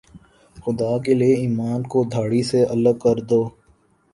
خدا کے لئے ایمان کو داڑھی سے الگ کر دو